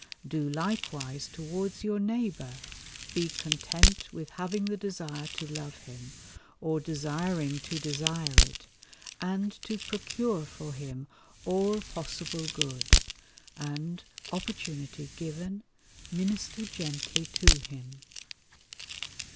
Do likewise towards your neighbour, be content with having the desire to love him, or desiring to desire it, and to procure for him all possible good, and, opportunity given, minister gently to him.